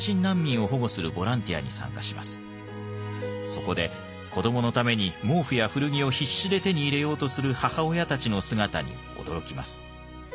そこで子供のために毛布や古着を必死で手に入れようとする母親たちの姿に驚きます。